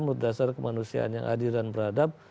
berdasarkan kemanusiaan yang adil dan beradab